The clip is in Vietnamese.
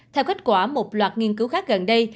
theo kết quả một loạt nghiên cứu khác gần đây